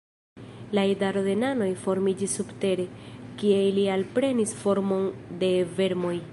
La idaro de nanoj formiĝis subtere, kie ili alprenis formon de vermoj.